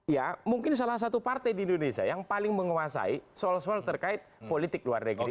ya mungkin salah satu partai di indonesia yang paling menguasai soal soal terkait politik luar negeri